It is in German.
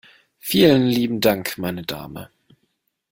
Vielen lieben Dank, meine Dame!